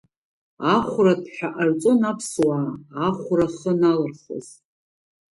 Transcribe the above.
Ахәраҭәҳәа ҟарҵон аԥсуаа, ахәра ахы аналырхуаз.